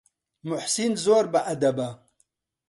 موحسین زۆر بەئەدەبە.